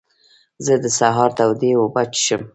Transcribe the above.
زه د سهار تودې اوبه څښم.